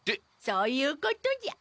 そういうことじゃ。